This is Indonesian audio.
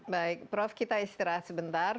baik prof kita istirahat sebentar